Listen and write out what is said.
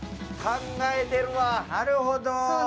考えてるわ、なるほど。